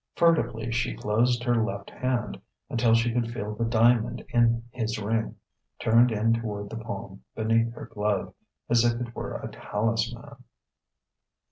Furtively she closed her left hand, until she could feel the diamond in his ring, turned in toward the palm beneath her glove: as if it were a talisman....